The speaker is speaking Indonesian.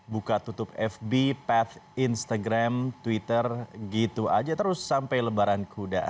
buka tutup fb pad instagram twitter gitu aja terus sampai lebaran kuda